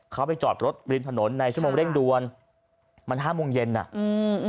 เขาไปจอดรถริมถนนในชั่วโมงเร่งด่วนมันห้าโมงเย็นอ่ะอืม